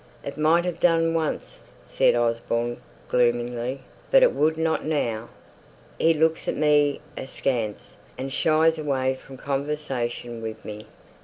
"It might have done once," said Osborne, gloomily, "but it wouldn't now. He looks at me askance, and shies away from conversation with me.